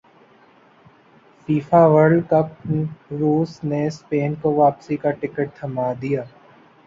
FIFA World cup روس نے Spain کو واپسی کا ٹکٹ تھمادیا